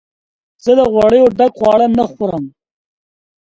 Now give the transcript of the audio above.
زه له غوړیو ډک خواړه نه خورم.